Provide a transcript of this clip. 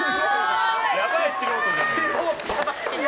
やばい素人じゃん。